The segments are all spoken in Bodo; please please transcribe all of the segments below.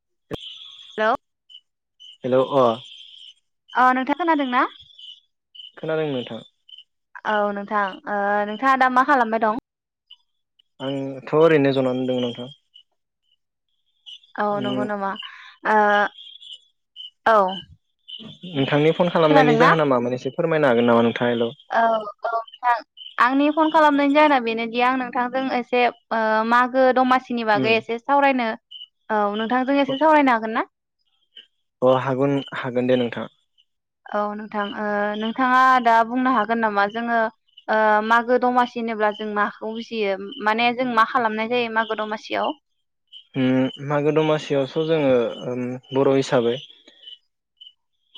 [unintelligible] [unintelligible] हेल अ अ नोंथाङा खोनादों ना खोनादों नोंथां औ नोंथां ओ नोंथाङा दा मा खालामबाय दं आंथ ओरैनो जनानै दों नोंथां अ नंगौ उम नामा ओ औ नोंथांनि फन खालामनायनि खोनादोंना जाहोना मामोन एसे फोरमायनो हागोन नामा नों औ औ [unintelligible] आंनि फन खालामनायनि जाहोना बेनो ए आं नोंथांजों एसे ओ मागो दमासि सिनि उम बागै एसे सावरायनो औ नो थांजों एसे सावरायनो हागोन ना अ हागोन हागोन दे नोंथां औ नोंथां ओ नोंथाङा दा बुंनो हागोन नामा जोङो मागो दमासि होनोब्ला जों माखौ बुजियो माने जों मा खालामनाय जायो मागो दमासियाव उम मागो दमासियावस जोङो बर' हिसाबै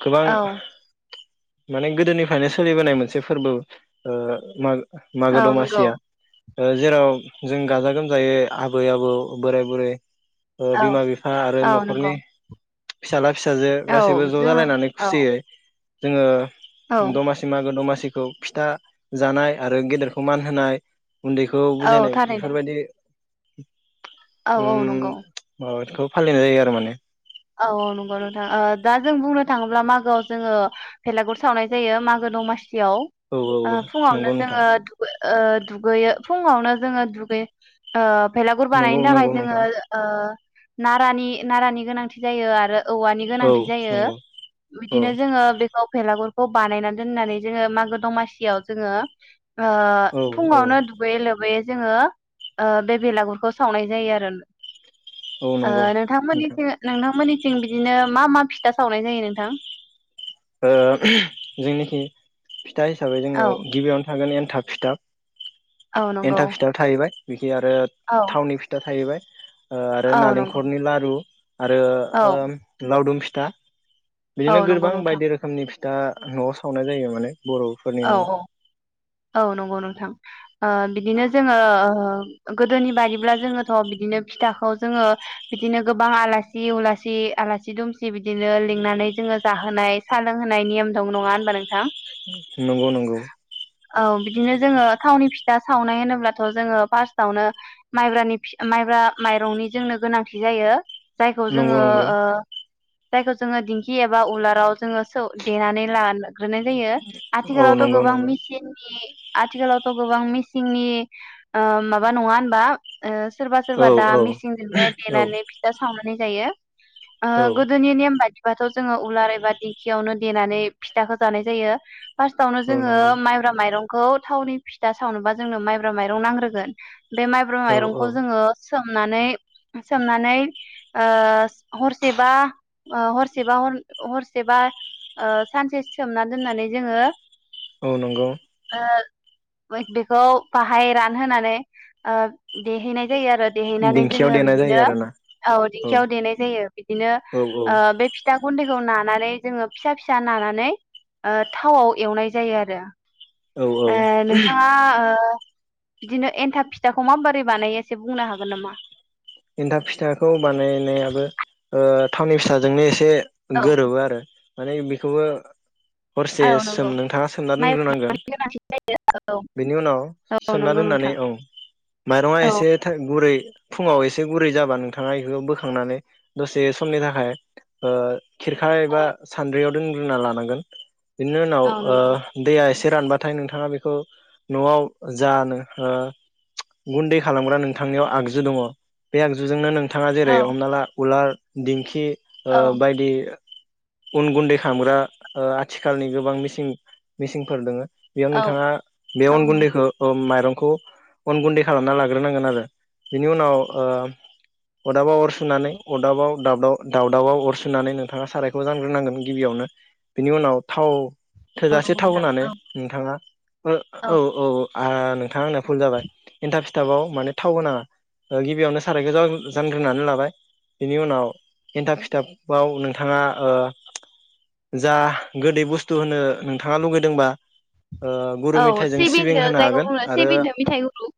गोबां औ माने गोदोनिफ्रायनो सोलिबोनाय मोनसे फोरबो ओ मा मागो औ नंगौ दमासिया जेराव जों गाजा गोमजायै आबै आबौ बोराय बुरै ओ औ बिमा बिफा आरो औ नंगौ नखरनि फिसाला फिसाजो औ गासैबो ज जोङो जालायनानै औ खुसियै जोङो औ दमासि मागो दमासि खौ फिथा जानाय आरो गेदेरखौ मान होनाय उन्दैखौ औ बुजायनाय थारैनो बेफोरबायदि बि औ [unintelligible] औ उम नंगौ माबादिखौ फालिनाय जायो आरो माने औ औ नंगौ नोंथां ओ दा जों बुंनो थाङोब्ला मागोआव जोङो भेलागर सावनाय जायो मागो दमासि जेराव औ औ फुङावनो नंगौ नोंथां जोङो दुगै ओ दुगैयो फुङावनो जोङो दुगैयो ओ बेलागर नंगौ बानायनो थाखाय नंगौ जोङो नोंथां ओ नारानि नारानि गोनांथि जायो आरो औवानि औ गोनांथि जायो नंगौ औ बिदिनो जोङो बेखौ भेलागुर खौ बानायनानै दोननानै जोङो मागो दमासियाव जोङो ओ औ औ फुङावनो दुगै लोब यो जोङो ओ बे बेलागरखौ सावनाय जायो आरो औ ओ नंगौ नोंथां नोंथांमोननिथिं नोंथांमोननिथिं बिदिनो मा मा फिथा सावनाय जायो नोंथां ओ जोंनिथिं फिथा हिसाबै जोङो औ गिबियावनो थागोन एन औ [unintelligible] नंगौ एन्थाब फिथाब थाहैबाय खि आरो औ थावनि फिथा थाहैबाय ओ आरो औ नंगौ नालेंखरनि लारु आरो औ ओम लावदुम फि दा औ नंगौ नोंथां ओंखामनि फिथा नआव सावनाय जायो माने बरफोरनि औ न औ औ नंगौ नोंथां ओ बिदिनो जोङो ओ गोदोनि बादिब्ला जोङोथ बिदिनो फिथाखौ जोङो बिदिनो गोबां आलासि उलासि आलासि दुमसि बिदिनो लिंनानै जोङो जाहोनाय साह लोंहोनाय नेम दं नङा होनबा नोंथां नंगौ नंगौ औ बिदिनो जोङो थावनि फिथा सावनाय होनोब्लाथ जोङो फारस्टआवनो माइब्रानि फि माइब्रा माइरंनि जोंनो गोनांथि जायो जायखौ जोङो नंगौ नंगौ ओ जायखौ जोङो दिंखि एबा उलाराव जोङो सौ देनानै लानो‌ ग्रोनाय जायो औ आथिखालावथ नंगौ गोबां नंगौ मि ए आथिखालावथ गोबां मिसिंनि ओ माबा नङा होनबा ओ सोरबा औ सोरबा दा औ मेसिनजोंनो औ देनानै फिथा सावनानै नाय जायो ओ औ गोदोनि नेम बादि बाथ जोङो उलार एबा दिंखियावनो देनानै फिथाखौ जानाय जायो फारस्टआवनो औ जोङो नंगौ माइरंखौ थावनि फिथा सावनोबा जोंनो माइब्रा माइरं नांग्रोगोन बे माइब्र औ औ माइरंखौ जोङो सोमनानै सोमनानै ओ हरसेबा अ हरसेबा हरन हरसेबा ओ सानसे सोमना दोननानै जोङो औ नंगौ ओ बे-बेखौ बाहाय रानहोनानै ओ देहैनाय जायो आरो देहैनानै दिंखियाव जोङो देनाय जायो बिदिनो आरोना औ दिंखियाव देनाय जायो बिदिनो औ ओ बे फिथा गुन्दै खौ नानानै जोङो फिसा फिसा नानानै ओ थावआव एवनाय जायो आरो [unintelligible] औ औ ओ नोंथाङा ओ बिदिनो एन्थाब फिथाखौ माबोरै बानायो एसे बुंनो हागोन नामा एन्थाब फिथाखौ बानायनायाबो थावनि फिथाजोंनो एसे औ गोरोबो आरो माने बिखौबो हरसे औ सोम नंगौ नोंथाङा सोमना माइब्रानि दोनग्रोनांगोन गोनांथि जायो औ बेनि उनाव औ सोमना नंगौ दोननानै नोंथां औ माइरङा औ एसे था गुरै फुङाव एसे एसे गुरै जाबा नोंथाङा इखौ बोखांनानै दसे समनि थाखाय ओ खेरखा औ एबा सान्द्रियाव रोंग्रोना लानांगोन बिनि उनाव औ ओ नंगौ नोंथां दैया एसे रानबा नाथाय नोंथाङा बेखौ नआव जानो ओ गुन्दै खालामग्रा नोंथांनियाव आगजु दङ बे आगजुजोंनो नों थाङा जेरै औ हमना ला उलार दिंखि ओ औ बायदि उन गुन्दै खामग्रा आथिखालनि गोबां मिसिं मिसिंफोर दोङो बेयाव औ नोंथाङा बे औ अन नंगौ गुन्दैखौ ओ माइरं खौ अन गुन्दै खालामना लाग्रोनांगोन आरो बिनि उनाव ओ अदाबाव अर सुनानै अदाबाव दावदाब दावदावाव अर सुनानै नोंथाङा सारायखौ जानग्रोनांगोन गिबियावनो बिनि उनाव थाव औ थोजासे नंगौ टाउ नोंथां होनानै नोंथाङा ओ औ औ ओ नोंथाङा आंनो भुल जाबाय एनथाब थाबाव माने थाव होनाङा गिबियावनो सारायखौ जा-जानग्रोननानै लाबाय बिनि उनाव एन्थाब खिथाबाव नोंथाङा ओ जा गोदै बुस्थु होनो नोंथाङा लुगैदोंबा ओ गुरु औ मेथाइजों सिबिं सेबिनदो होनो जायगा हागोन बुंनो आरो सेबिनदो मेथाइगुुरु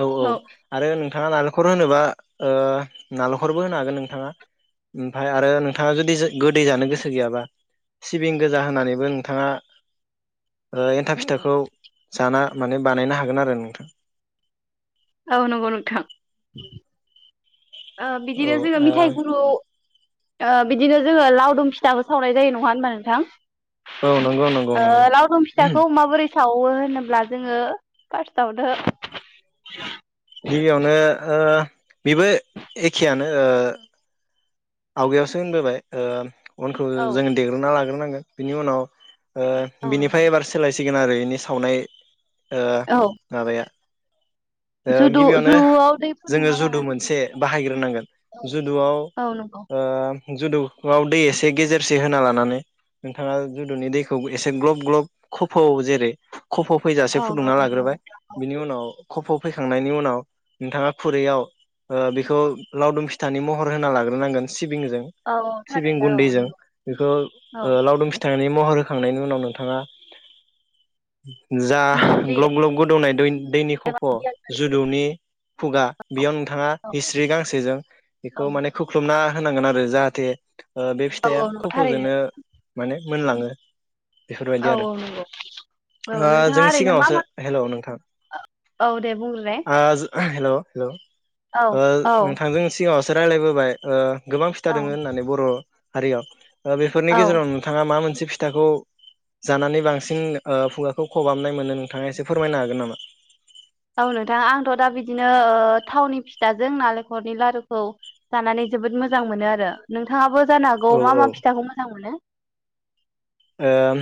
औ औ आरो नों नोंथाङा नालेंखर होनोबा ओ नालेंखरबो होनो हागोन नोंथाङा ओमफाय आरो नोंथाङा जुदि गोदै जानो गोसो गैयाबा सिबिं गोजा होनानैबो नोंथाङा ओ एन्थाब फिथाखौ जाना माने बानायनो हागोन आरो नोंथां औ नंगौ नोथां ओ औ बिदिनो जोङो मिथाइ गुरू ओ बिदिनो जोङो लावदुम फिथाबो सावनाय जायो नङा होनबा नोंथां ओ औ नंगौ नंगौ [unintelligible] नंगौ ओ लावदुम फिथाखौ माबोरै सावो होनोब्ला जोङो फारस्टआवनो [unintelligible] गिबियावनो ओ बेबो एखेयानो ओ आवगायावसो होनबोबाय ओ उनखौ औ जोङो देग्रोना लाग्रोनां बिनि उनाव ओ बिनिफ्राय एबार सोलायसि सिगोन आरो इनि सावनाय ओ औ माबाया ओ जुदु गिबियावनो जुआव दै जोङो फुदुंना जुदु लानानै मोनसे बाहायग्रोनांगोन औ जुदुआव औ नंगौ ओ जुदौआव दै एसे गेजेरसे होना लानानै नोंथाङा जुदुनि दैखौ एसे ग्लब ग्लब खोफौ जेरै [unintelligible] खफ फैजासे औ औ फुदुंना नंगौ लाग्रोबाय। बिनि उनाव खफ फैखांनायनि उनाव नोंथाङा खुरैयाव ओ बेखौ लावदुम फिथानि महर होना लाग्रोनांगोन सिबिं जों औ औ सिबिं थारैनो औ गुन्दैजों नंगौ बेखौ औ लावदुम फिथानि मावग्रोखांनायनि उनाव नोंथाङा जा मुस्रि ग्लब ग्लब गोदौनाय दै दैनि एबा खफ जुदौनि खुगा बेयाव नोंथाङा औ हिस्रि गांसेजों औ बेखौ माने खुख्लुम ना होनांगोन आरो जाहाथे [inaudible] ओ बे फिथाइआ औ नंगौ थारैनो खफजोंनो माने मोनलाङो बेफोरबायदि औ आरो औ नंगौ औ ओ नोंथाङा जों ओरैनो मा सिगाङावसो, मा हेल' नोंथां औ दे बुंग्रोलाय हेल' हेल' औ ओ औ नोंथांजों सिगाङाव रायलायबोबाय ओ गोबां फिथा औ दोङो होननानै बर' हारियाव बेफोरनि औ गेजेराव नोंथाङा मा मोनसे फि थाखौ जानानै बांसिन ओ खुगाखौ खबामनाय मोनो नोंथाङा एसे फोरमायनो हागोन नामा? औ नोंथां आंथ' दा बिदिनो थावनि फिथाजों नालेंखरनि लारुखौ जानानै जोबोद मोजां मोनो आरो नोंथाङाबो जानो औ हागौ मा ओ मा फिथाखौ मोजां मोनो? ओम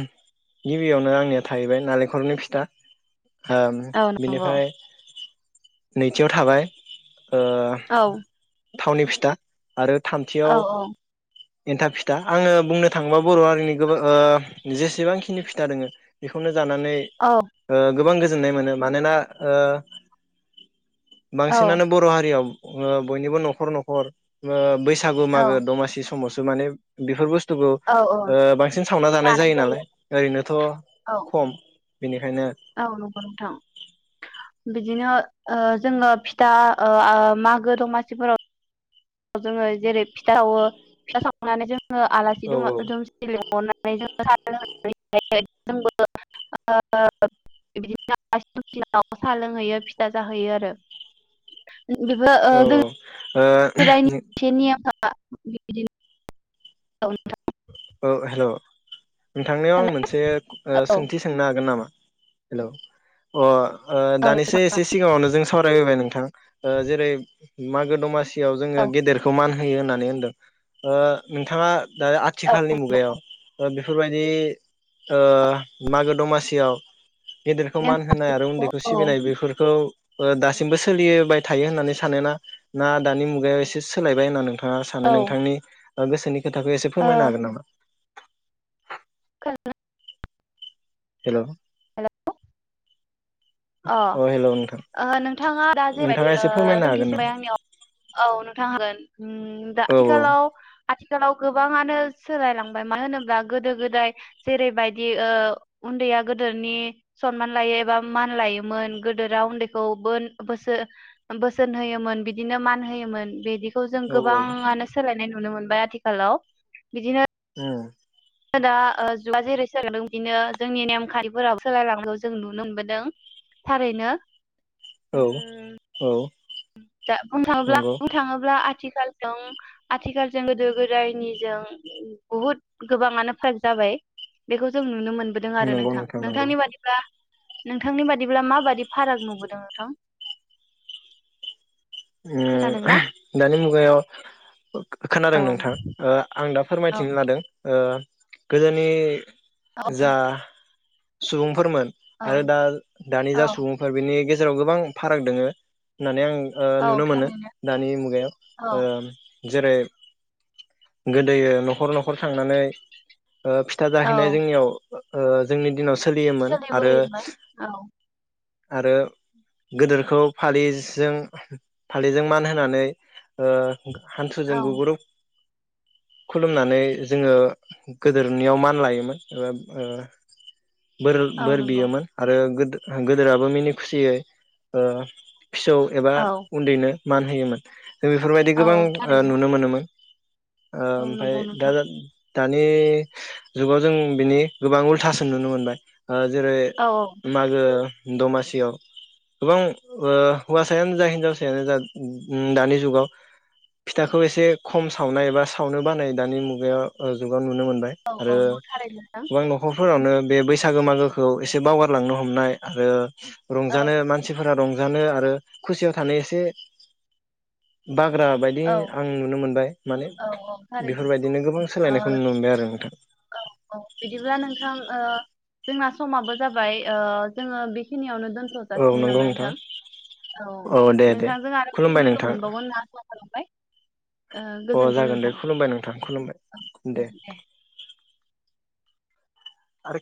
गिबियावनो आंनिया थाहैबाय नालेंखलनि फिथा उम औ नंगौ बिनिफ्राय नैथियाव थाबाय ओ औ थावनि फिथा आरो थामथियाव औ एन्थाब फिथा। आङो बुंनो थाङोबा बर' हारिनि गोबां ओ जेसेबांखिनि फिथा दोङो बेखौनो नानै औ गोबां गोजो नाय मोन मानोना ओ औ बांसिनानो बर' हारियाव ओ बयनिबो न'खर न'खर ओ बैसाग सागु औ मागो दमासि समावसो माने बेफोर बुस तुखौ औ औ ओ बां बांसिन सावना जानाय जायो नालाय ओरैनोथ' औ खम। बिनो। औ नंगौ नोंथां। बिदिनो ओ जोङो फिथा ओ आ मागो दमासिफोराव जोङो जेरै फिथा सावो फिथा सावखांनानै जों आलासि औ दं [unintelligible] नानै जाङो जोंबो [unintelligible] साहा लोंहैयो फिथा जाहैयो आरो। बेबो औ ओ गो ओ। [unintelligible] [unintelligible] औ नोंथां। [unintelligible] औ हेलो। नोंथांनियाव नोंथां आं मोनसे ओ औ सोंथि सोंनो हागोन नामा? हेलौ अ आं ओ औ दानिसो नोंथां एसे सिगाङावनो जों सावरायबोबाय नोंथां ओ जेरै मागो दमासि याव जोङो औ गेदेरखौ मान हो होयो होननानै होनदों। ओ नोंथाङा दा औ खाथिखालनि नंगौ मुगायाव ओ बे बेफोरबायदि ओ मागो दमासियाव गेदेरखौ मान होनाय आरो उन्दैखौ नेमखान्थिफोरखौ औ सिबिनाय बेफोरखौ ओ दासिमबो सोलिबाय थायो होननानै सानोना ना दानि मुगायाव एसे सोलायबाय होनना नोंथां ङा सानो औ ओ नोंथांनि ओ गोसोनि खोथाखो फोरमायनो हागोन नामा? [unintelligible] हेलौ हेलौ अ' हेल' नोंथां ओ नोंथाङा दा नोंथाङा जैबायदि ओ एसे फोरमायनो सोंथि‌ हागोन नामा सोंबाय आंनियाव औ नोंथां हागोन। उम दा औ आथिखालाव आथि आथिखालाव गोबाङानो सोलायलांबाय मानो होनोब्ला गोदो गोदाय जेरैबायदि ओ उन्दैया गोदोनि सनमान लायो एबा मान लायो। मोन गोदोरा उन्दैखौ बोन बोसो बोसोन होयोमोन बिदिनो मान होयोमोन बिदि खौ जों औ गोबाङानो सोलायनाय नुनो मोनबाय आथिखालाव बिदिनो ओ दा जुगवा जेरै सोलायदों बिदिनो जोंनि नेम खान्थिफोराबो सोलायलांगौ जों नुनो मोनदों थारैनो औ उम औ दा बुंनो थाङोब्ला नंगौ बुंनो थाङोब्ला आथिखालजों आथिखालजों गोदो गोदायनिजों बुहुद गोबाङानो फाराग जाबाय। बेखौ जों नुनो मोनबोदों आरो नंगौ नोंथां नंगौ नोंथांनि बादिब्ला नोंथांनि बादिब्ला माबादि फाराग नुबोदों नोंथां? ओ खोनादोंना [unintelligible] दानि मुगायाव खोनादों औ अ नोंथां आं? दा औ फोरमायथिनो लादों ओ गोदोनि औ जा सुबुंफोरमोन औ आरो दा दानि औ जा सुबुंफोर बेनि गेज जेराव गोबां फाराग दङो होननानै आं ओ औ नुनो मोनो थारैनो दानि मुगायाव औ ओम जेरै गोदोयो नखर नखर थांनानै ओ फिथा जाहैनाय औ जोंनियाव ओ जोंनि दिनाव चलियोमोन आरो सोलिबोयोमोन औ आरो गोदोरखौ फालिजों [unintelligible] फालिजों मान होनानै ओ हान्थुजों औ गुगुरुब खुलुमनानै जोङो गोदोरनियाव मान लायोमोन ओ ओ बोरो औ बोर नंगौ बियोमोन आरो गोदो गोदोराबो मिनि खुसियै ओ फिसौ एबा औ उन्दैनो मान होयोमोन। जों बेफोरबायदि गोबां औ ओ थारैनो नुनो मोनोमोन। ओ औ ओमफ्राय नंगौ दा नोंथां दानि जुगाव जों बिनि गोबां उलथासो नुनो मोनबाय ओ जेरै औ मागो दमासियाव गोबां ओ हौवासायानो जा हिन हिनजावसायानो जा उम दानि जुगाव फिथाखौ एसे खम सावनाय एबा सावनो बानाय दानि मुगायाव ओ जुगाव नु नुनो मोनबाय आरो औ थारैनो नोंथां गोबां नख फोरावनो बे बैसागो मागोखौ एसे बावगारलांनो हमनाय आरो औ रंजानो मानसिफोरा रंज रंजानो आरो खुसियाव सानैसो बा हाग्रा बायदि औ आं नुनो मोनबाय माने औ औ थारैनो बेफोरबायदिनो गोबां ओ सोलायनायखौ नुनो मोनबाय आरो नोंथां औ औ बिदिब्ला नोंथां ओ जोंना समाबो जाबाय ओ जोङो बेखिनियावनो दो औ दोनथजासिगोन नंगौ नामा नोंथां औ दे दे नोंथांजों आरो फिन खुलुमबाय लोगो नोंथां मोनबावगोन होनना आसा खालामबाय ओ अ गोजोनथों जागोन दे नोंथां खुलुमबाय नोंथां औ खुलुमबाय दे दे आरो